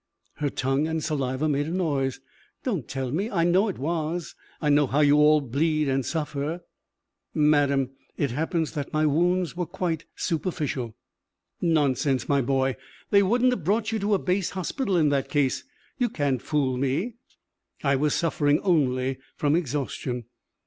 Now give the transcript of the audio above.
Her tongue and saliva made a noise. "Don't tell me. I know it was. I know how you all bleed and suffer." "Madam, it happens that my wounds were quite superficial." "Nonsense, my boy. They wouldn't have brought you to a base hospital in that case. You can't fool me." "I was suffering only from exhaustion."